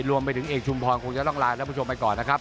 รวมไปถึงเอกชุมพรคงจะต้องลาท่านผู้ชมไปก่อนนะครับ